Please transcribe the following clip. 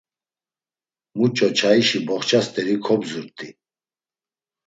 Muç̌o çayişi boxça st̆eri kobzurt̆i.